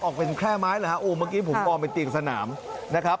ออกเป็นแค่ไม้เหรอฮะโอ้เมื่อกี้ผมมองเป็นเตียงสนามนะครับ